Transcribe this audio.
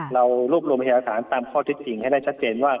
เรารวบรวมเฮียสารตามข้อทิศจริงให้ได้ชัดเจนว่า